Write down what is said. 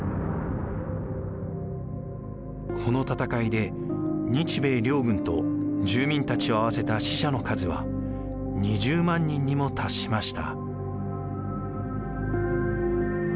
この戦いで日米両軍と住民たちを合わせた死者の数は２０万人にも達しました。